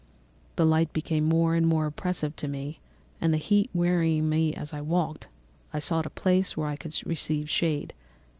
The light became more and more oppressive to me, and the heat wearying me as I walked, I sought a place where I could receive shade.